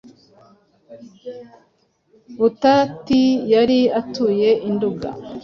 butati yari atuye i nduga,